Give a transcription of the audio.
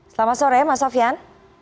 selamat sore mas sofian